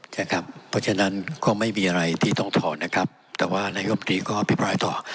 ใช่ครับเพราะฉะนั้นก็ไม่มีอะไรที่ต้องถอดนะครับแต่ว่าในย่อมที่ก็อภิปรายต่อ